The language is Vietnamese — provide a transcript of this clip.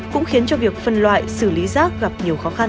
cũng khiến cho việc phân loại xử lý rác gặp nhiều khó khăn